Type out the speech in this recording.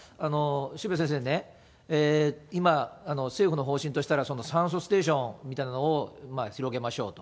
渋谷先生ね、今、政府の方針としたら、酸素ステーションみたいなのを広げましょうと。